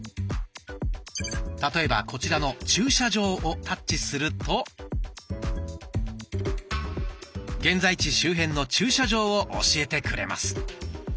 例えばこちらの「駐車場」をタッチすると現在地周辺の駐車場を教えてくれます。